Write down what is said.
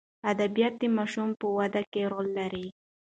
ادبیات د ماشوم په وده کې رول لري.